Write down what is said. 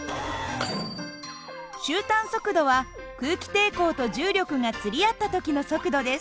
終端速度は空気抵抗と重力が釣り合った時の速度です。